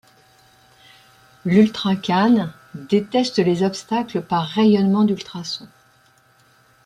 L'Ultracane détecte les obstacles par rayonnement d'ultrasons.